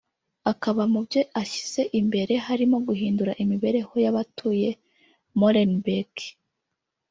akaba mu byo ashyize imbere harimo guhindura imibereho y’abatuye Molenbeek